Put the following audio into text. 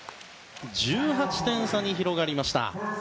１８点差に広がりました。